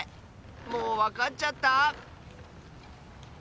もうわかっちゃった？